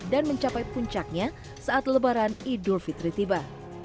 dan mencapai puncaknya saat lebaran idul fitri tiba